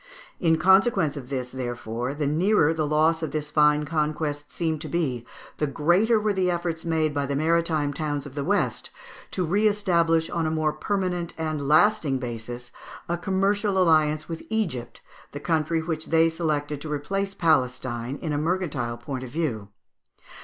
In consequence of this, therefore, the nearer the loss of this fine conquest seemed to be, the greater were the efforts made by the maritime towns of the West to re establish, on a more solid and lasting basis, a commercial alliance with Egypt, the country which they selected to replace Palestine, in a mercantile point of view.